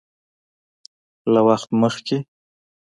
له وخت مخکې